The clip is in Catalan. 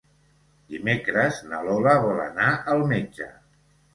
Dimecres na Lola vol anar al metge.